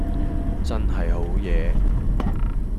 真係好嘢￼￼